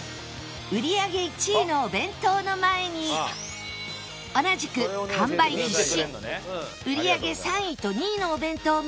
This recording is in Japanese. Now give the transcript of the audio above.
売り上げ１位のお弁当の前に同じく完売必至